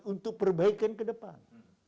untuk perbaikan ke depan